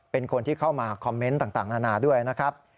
เป็นคนที่เข้ามาคอมเมนต์ต่างนานาด้วยนะครับ